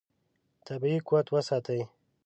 طبیعي قوت وساتئ.